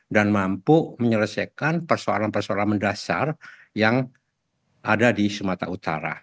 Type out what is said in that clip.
dan mampu menyelesaikan persoalan persoalan mendasar yang ada di sumatera utara